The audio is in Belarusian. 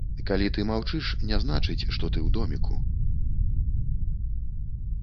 Калі ты маўчыш, не значыць, што ты ў доміку.